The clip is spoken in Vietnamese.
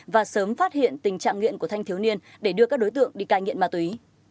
và sớm phát hiện tình trạng nghiện của thanh thiếu niên để đưa các đối tượng đi cai nghiện ma túy